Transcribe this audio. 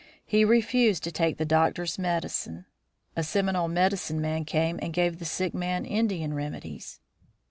He refused to take the doctor's medicine. A Seminole medicine man came and gave the sick man Indian remedies.